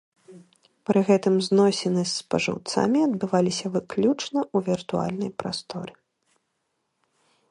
Пры гэтым зносіны з спажыўцамі адбывалася выключна ў віртуальнай прасторы.